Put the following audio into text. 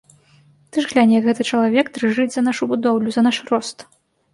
Ты ж глянь, як гэты чалавек дрыжыць за нашу будоўлю, за наш рост.